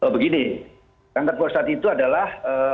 begini kanker prostat itu adalah